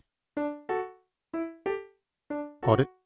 あれ？